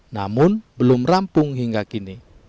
namun belum rampung hingga kini